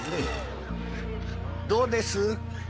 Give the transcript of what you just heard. どうです？